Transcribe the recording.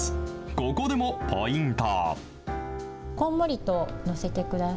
ここでもポイント。